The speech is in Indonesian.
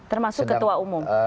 termasuk ketua umum